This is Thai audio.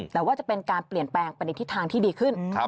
แต่ว่าจะเป็นการเปลี่ยนแปลงไปในทิศทางที่ดีขึ้น